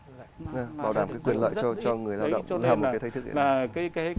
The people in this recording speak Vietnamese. bảo đảm cái quyền lợi cho người lao động là một cái thách thức